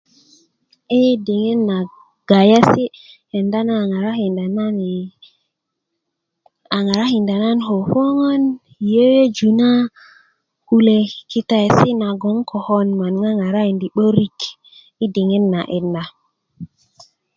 i diŋit na gayesi kenda na ŋarakinda nan ko koŋön i yeyeju na kule kitaesi logon 'n kokon man ŋarakindi 'börik i diŋit na'dit na